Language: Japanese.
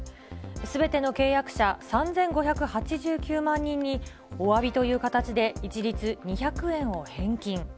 すべての契約者３５８９万人に、おわびという形で一律２００円を返金。